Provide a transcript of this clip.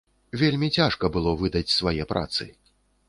Вельмі цяжка было выдаць свае працы.